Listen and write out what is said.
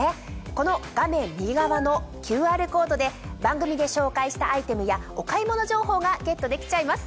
この画面右側のＱＲコードで番組で紹介したアイテムやお買い物情報がゲットできちゃいます。